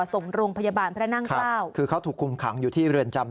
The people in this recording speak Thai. ส่งโรงพยาบาลพระนั่งเกล้าคือเขาถูกคุมขังอยู่ที่เรือนจำ